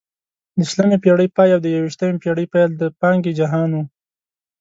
د شلمې پېړۍ پای او د یوویشتمې پېړۍ پیل د پانګې جهان وو.